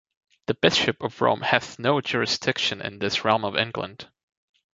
The Bishop of Rome hath no jurisdiction in this Realm of England.